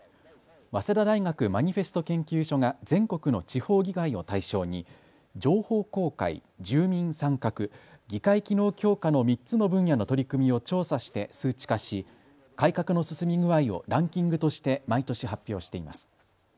早稲田大学マニフェスト研究所が全国の地方議会を対象に情報公開、住民参画、議会機能強化の３つの分野の取り組みを調査して数値化し改革の進み具合をランキングとして毎年発表しています。